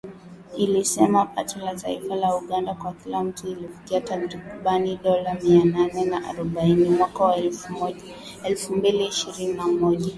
ilisema pato la taifa la Uganda kwa kila mtu lilifikia takribani dola mia nane na arobaini mwaka wa elfu mbili ishirini na moja.